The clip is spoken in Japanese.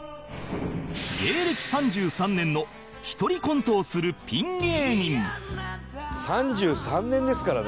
芸歴３３年の一人コントをするピン芸人